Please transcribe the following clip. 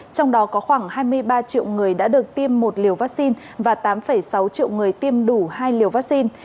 trong đó có khoảng hai mươi ba triệu người đã được tiêm một liều vaccine và tám sáu triệu người tiêm đủ hai liều vaccine